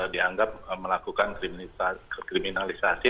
dianggap melakukan kriminalisasi